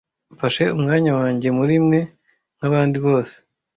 Mfashe umwanya wanjye muri mwe nkabandi bose,